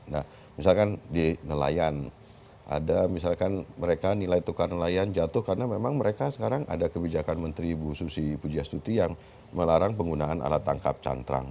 nah misalkan di nelayan ada misalkan mereka nilai tukar nelayan jatuh karena memang mereka sekarang ada kebijakan menteri ibu susi pujiastuti yang melarang penggunaan alat tangkap cantrang